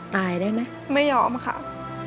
ตายได้ไหมไม่ยอมค่ะ